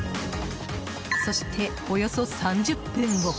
そして、およそ３０分後。